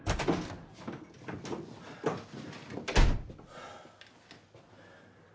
はあ。